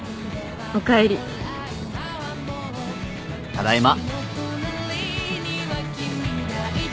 ただいま。